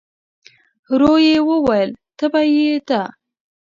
ورو يې وویل: تبه يې ده؟